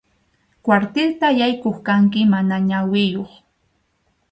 Kwartilta yaykuq kanki mana ñawiyuq.